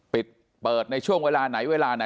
ปิดเปิดในช่วงเวลาไหน